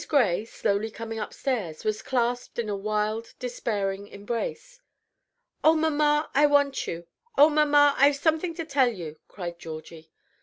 Gray, slowly coming upstairs, was clasped in a wild, despairing embrace. "Oh, mamma! I want you. Oh, mamma! I've something to tell you," cried Georgie.